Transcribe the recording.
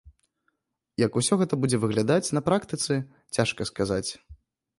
Як усё гэта будзе выглядаць на практыцы, цяжка сказаць.